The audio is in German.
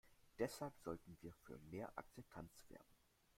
Deshalb sollten wir für mehr Akzeptanz werben.